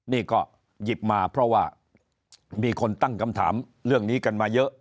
นี่ก็หยิบมาเพราะว่ามีคนตั้งคำถามเรื่องนี้กันมาเยอะ